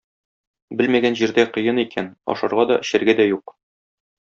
Белмәгән җирдә кыен икән, ашарга да, эчәргә дә юк.